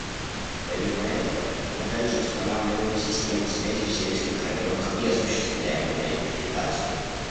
Помимо этого, мы также устанавливаем системы связи в сельских районах и осуществляем их электрификацию.